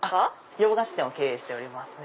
洋菓子店を経営しておりますね。